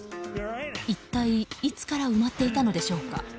一体いつから埋まっていたのでしょうか。